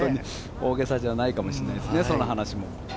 大げさじゃないかもしれないですね。